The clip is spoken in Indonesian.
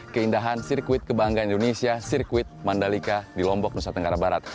keindahan sirkuit kebanggaan indonesia sirkuit mandalika di lombok nusa tenggara barat